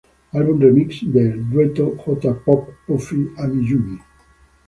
Album Remix del Dueto J-Pop, Puffy AmiYumi.